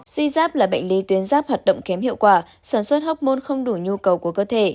suy giáp là bệnh lý tuyến giáp hoạt động kém hiệu quả sản xuất hóc môn không đủ nhu cầu của cơ thể